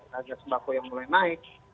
harga sembako yang mulai naik